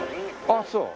あっそう。